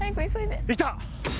いた！